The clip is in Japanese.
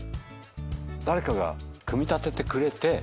誰かが組み立ててくれて。